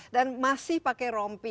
dan masih pakai rompi